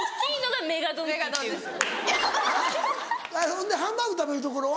ほんでハンバーグ食べる所は？